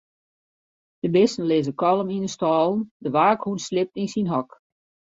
De bisten lizze kalm yn 'e stâlen, de waakhûn sliept yn syn hok.